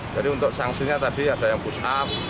jadi untuk sanksinya tadi ada yang push up